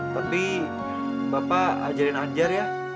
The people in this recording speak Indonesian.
tapi bapak ajarin ajar ya